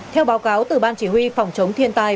theo báo cáo từ ban chỉ huy phòng chống thiên tai